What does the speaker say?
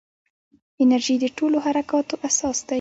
انرژي د ټولو حرکاتو اساس دی.